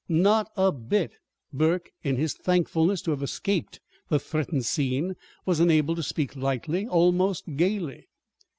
"Not a bit!" Burke, in his thankfulness to have escaped the threatened scene, was enabled to speak lightly, almost gayly.